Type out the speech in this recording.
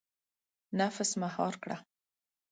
• نفس مهار کړه.